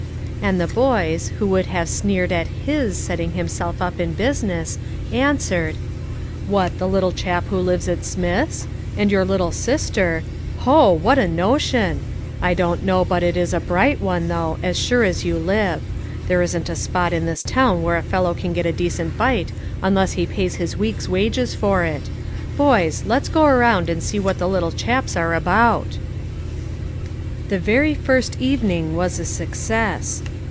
And the boys, who would have sneered at hia setting himself up in business, answered : "What, the little chap who lives at Smith's?" And your little sister ! Ho ! what a notion ! I don't know but it is a bright one, though, as sure as you live. There isn't a spot in this town where a fellow can get a decent bite un less he pays his week's wages for it ; boys, let's go around and see what the little chaps are about." The very first evening was a success.